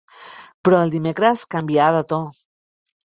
Però el dimecres canvià de to